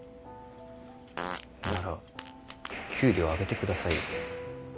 なら給料上げてくださいよ。